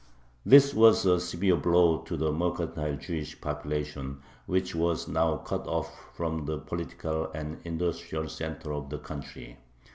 This was a severe blow to the mercantile Jewish population, which was now cut off from the political and industrial center of the country.